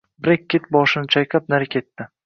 Brekket boshini chayqab, nari ketdi